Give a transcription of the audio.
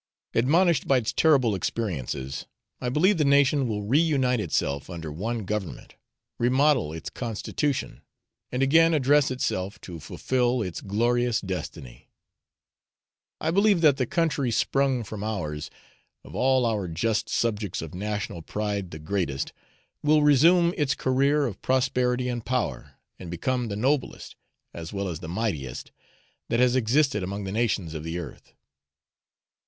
Admonished by its terrible experiences, I believe the nation will reunite itself under one government, remodel its constitution, and again address itself to fulfill its glorious destiny. I believe that the country sprung from ours of all our just subjects of national pride the greatest will resume its career of prosperity and power, and become the noblest as well as the mightiest that has existed among the nations of the earth.